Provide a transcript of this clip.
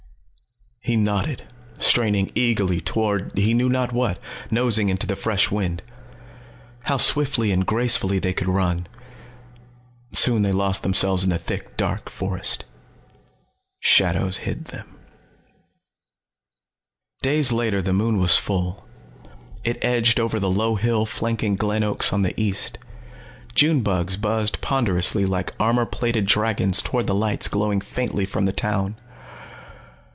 He nodded, straining eagerly toward he knew not what, nosing into the fresh wind. How swiftly and gracefully they could run. Soon they lost themselves in the thick dark forest. Shadows hid them. Days later the moon was full. It edged over the low hill flanking Glen Oaks on the east. June bugs buzzed ponderously like armor plated dragons toward the lights glowing faintly from the town.